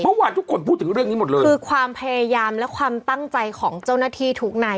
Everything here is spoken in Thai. เมื่อวานทุกคนพูดถึงเรื่องนี้หมดเลยคือความพยายามและความตั้งใจของเจ้าหน้าที่ทุกนาย